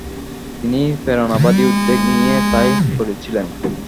তিনি প্রেরণাবাদী উদ্যোগ নিয়ে তাই করেছিলেন।